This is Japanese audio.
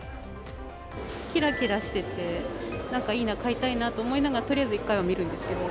きらきらしてて、なんかいいな、買いたいなと思ってとりあえず一回は見るんですけど。